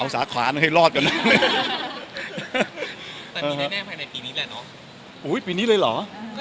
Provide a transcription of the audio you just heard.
เอาสาขาให้รอดก่อนนะฮะแต่มีแน่ภายในปีนี้แหละเนอะ